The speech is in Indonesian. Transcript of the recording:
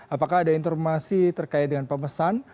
apakah ada informasi terkait dengan pemesan